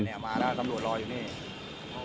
มาแล้วตำรวจรออยู่นี่